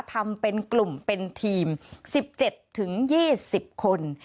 ทำเป็นกลุ่มเป็นทีม๑๗๒๐คน